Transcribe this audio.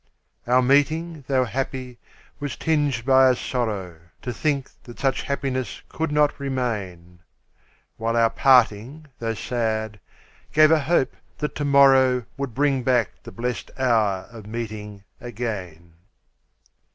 Our meeting, tho' happy, was tinged by a sorrow To think that such happiness could not remain; While our parting, tho' sad, gave a hope that to morrow Would bring back the blest hour of meeting again.